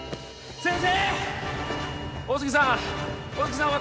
先生！